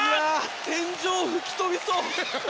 天井吹き飛びそう！